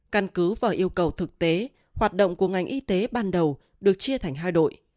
căn cứ vào yêu cầu thực tế hoạt động của ngành y tế ban đầu được chia thành hai đội